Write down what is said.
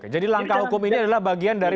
jadi langkah hukum ini adalah bagian dari